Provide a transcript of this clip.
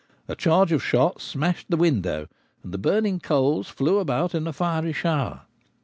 a charge of shot smashed the window, and the burn ing coals flew about in a fiery shower.